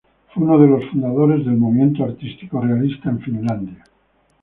Fue uno de los fundadores del movimiento artístico realista en Finlandia.